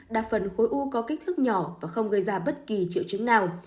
đa phần khối u có kích thước nhỏ và không gây ra bất kỳ triệu chứng nào